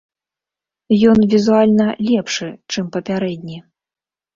Ён візуальна лепшы, чым папярэдні.